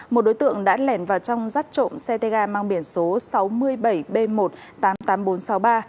một đối tượng đã lẻn vào trong rắt trộm xe tay ga mang biển số sáu mươi bảy b một tám mươi tám nghìn bốn trăm sáu mươi ba